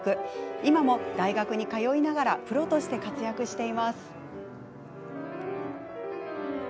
今も大学に通いながらプロとして活躍しています。